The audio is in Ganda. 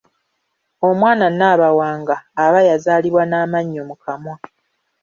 Omwana Nabawanga aba yazaalibwa n’amannyo mu kamwa.